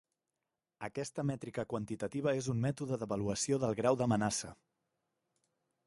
Aquesta mètrica quantitativa és un mètode d'avaluació del grau d'amenaça.